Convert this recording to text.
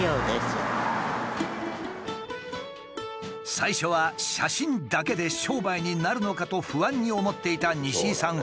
最初は写真だけで商売になるのかと不安に思っていた西井さん